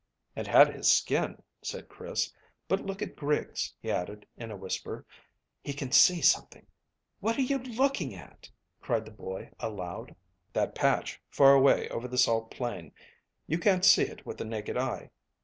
"And had his skin," said Chris. "But look at Griggs," he added, in a whisper; "he can see something. What are you looking at?" cried the boy, aloud. "That patch far away over the salt plain. You can't see it with the naked eye.